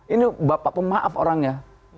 ini bapak pemaaf orangnya